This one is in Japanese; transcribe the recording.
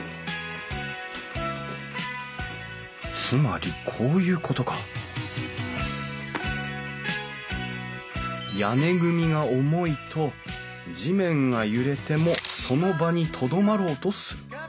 つまりこういうことか屋根組が重いと地面が揺れてもその場にとどまろうとする。